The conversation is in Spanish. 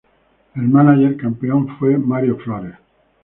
El mánager campeón fue Mario Flores.